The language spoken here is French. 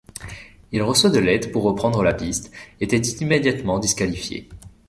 Il reçoit de l'aide pour reprendre la piste et est immédiatement disqualifié.